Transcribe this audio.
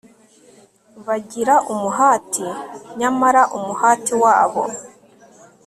bagira umuhati nyamara umuhati wabo